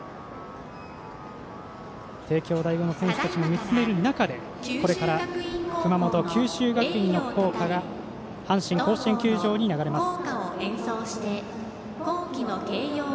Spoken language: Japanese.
帝京第五の選手たちも見つめる中でこれから熊本、九州学院の校歌が阪神甲子園球場に流れます。